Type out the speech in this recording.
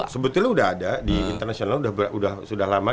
sebetulnya udah ada di international sudah lama